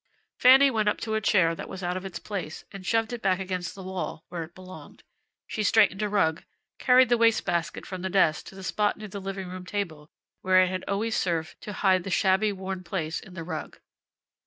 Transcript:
Fanny went up to a chair that was out of its place, and shoved it back against the wall where it belonged. She straightened a rug, carried the waste basket from the desk to the spot near the living room table where it had always served to hide the shabby, worn place in the rug.